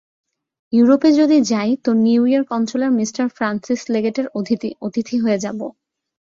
ইউরোপে যদি যাই তো নিউ ইয়র্ক অঞ্চলের মি ফ্রান্সিস লেগেটের অতিথি হয়ে যাব।